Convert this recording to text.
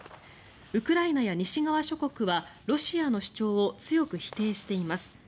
ウクライナや西側諸国はロシアの主張を強く否定しています。